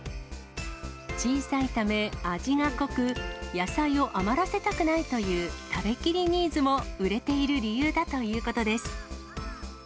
小さいため、味が濃く、野菜を余らせたくないという食べ切りニーズも売れている理由だということです。